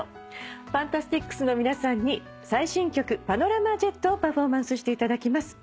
ＦＡＮＴＡＳＴＩＣＳの皆さんに最新曲『ＰＡＮＯＲＡＭＡＪＥＴ』をパフォーマンスしていただきます。